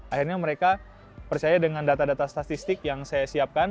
akhirnya mereka percaya dengan data data statistik yang saya siapkan